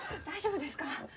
大丈夫ですか？